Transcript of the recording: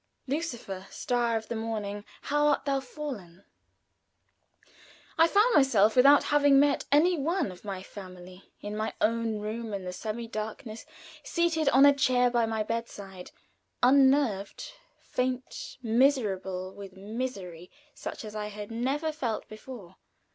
"Lucifer, Star of the Morning! How art thou fallen!" I found myself, without having met any one of my family, in my own room, in the semi darkness, seated on a chair by my bedside, unnerved, faint, miserable with a misery such as I had never felt before.